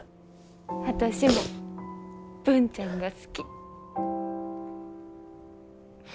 私も文ちゃんが好き。